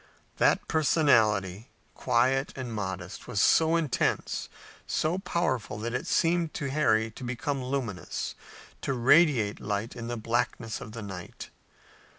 That personality, quiet and modest, was so intense, so powerful that it seemed to Harry to become luminous, to radiate light in the blackness of the night.